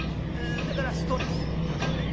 それからストレスをためない。